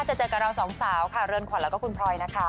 จะเจอกับเราสองสาวค่ะเรือนขวัญแล้วก็คุณพลอยนะคะ